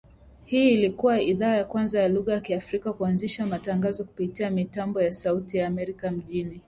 Hii ilikua idhaa ya kwanza ya lugha ya Kiafrika kuanzisha matangazo kupitia mitambo ya Sauti ya Amerika mjini Washington